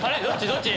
どっち？